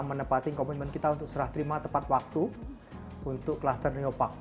menepati komitmen kita untuk serah terima tepat waktu untuk kluster neopark